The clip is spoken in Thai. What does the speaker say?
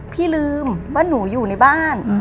พี่ลืมว่าหนูอยู่ในบ้าน